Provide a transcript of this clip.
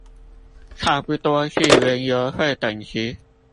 差不多是園遊會等級